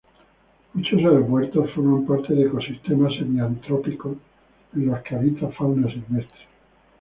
Muchos aeropuertos forman parte de ecosistemas semi-antrópicos en los que habita fauna silvestre.